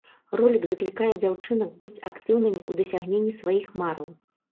Ролік заклікае дзяўчынак быць актыўнымі ў дасягненні сваіх мараў.